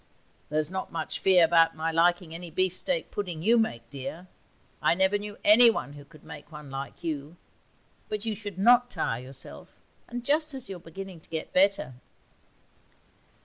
'There's not much fear about my liking any beefsteak pudding you make, dear; I never knew anyone who could make one like you. But you should not tire yourself and just as you are beginning to get better.'